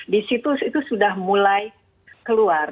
di situ itu sudah mulai keluar